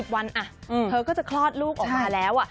วันเธอก็จะคลอดลูกออกมาแล้ว